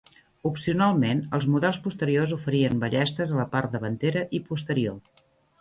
Opcionalment, els models posteriors oferien ballestes a la part davantera i posterior.